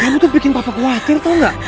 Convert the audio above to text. kamu tuh bikin papa khawatir tau gak